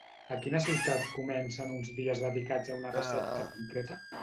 A quina ciutat comencen uns dies dedicats a una recepta concreta?